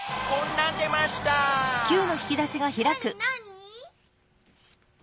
なに？